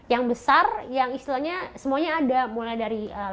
yang besar yang istilahnya semuanya ada mulai dari